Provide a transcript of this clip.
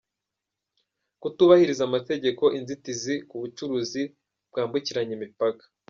Kutubahiriza amategeko, inzitizi ku bucuruzi bwambukiranya imipaka